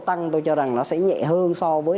tăng tôi cho rằng nó sẽ nhẹ hơn so với